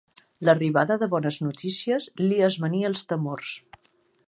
L'arribada de bones notícies li esvaní els temors.